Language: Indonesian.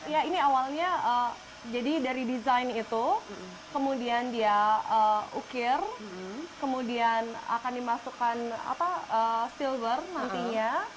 ya ini awalnya jadi dari desain itu kemudian dia ukir kemudian akan dimasukkan silver nantinya